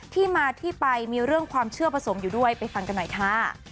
ที่มาที่ไปมีเรื่องความเชื่อผสมอยู่ด้วยไปฟังกันหน่อยค่ะ